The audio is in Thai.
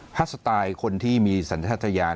ถ้าสตายคนที่มีสัญชาติทธิญาณ